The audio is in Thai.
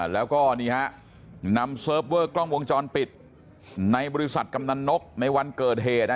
แล้วก็นี่ฮะนำเซิร์ฟเวอร์กล้องวงจรปิดในบริษัทกำนันนกในวันเกิดเหตุ